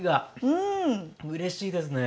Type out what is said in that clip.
うれしいですね。